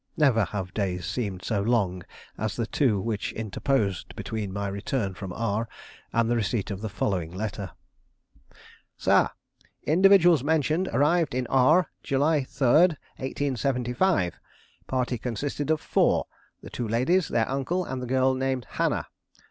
Never have days seemed so long as the two which interposed between my return from R and the receipt of the following letter: "Sir: "Individuals mentioned arrived in R July 3, 1875. Party consisted of four; the two ladies, their uncle, and the girl named Hannah.